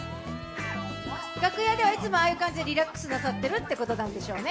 楽屋ではいつもああいう感じでリラックスなさっているということなんでしょうね。